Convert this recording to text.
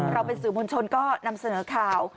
เราเป็นสื่อมวลชนก็นำเสนอข่าว